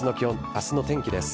明日の天気です。